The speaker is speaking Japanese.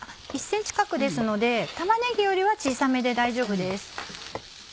１ｃｍ角ですので玉ねぎよりは小さめで大丈夫です。